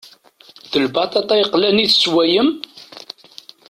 D lbaṭaṭa yeqlan i tessewwayem?